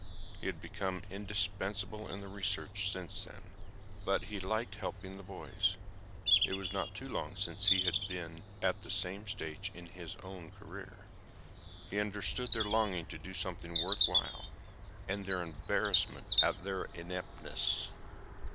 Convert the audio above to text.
He had become indispensable in the research since then. But he liked helping the boys; it was not too long since he had been at the same stage in his own career. He understood their longing to do something worthwhile, and their embarrassment at their ineptness.